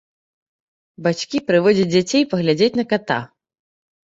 Бацькі прыводзяць дзяцей паглядзець на ката.